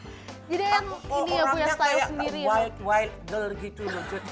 orangnya kayak wild girl gitu